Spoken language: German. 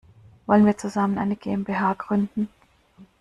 Wollen wir zusammen eine GmbH gründen?